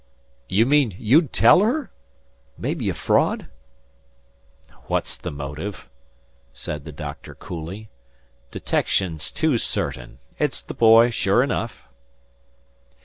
"You mean you'd tell her? 'May be a fraud?" "What's the motive?" said the doctor, coolly. "Detection's too certain. It's the boy sure enough."